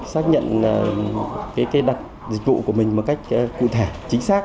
xác nhận đặt dịch vụ của mình một cách cụ thể chính xác